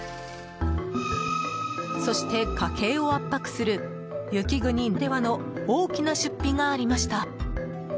そして家計を圧迫する雪国ならではの大きな出費がありました。